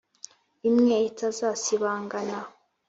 Imwe itasibangana